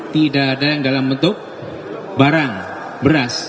tidak ada yang dalam bentuk barang beras